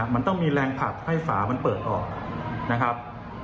มันต้องมีแรงผลักให้ฝามันเปิดออกนะครับ